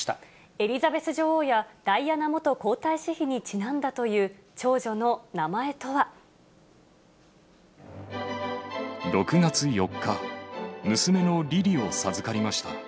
エリザベス女王やダイアナ元皇太子妃にちなんだという長女の６月４日、娘のリリを授かりました。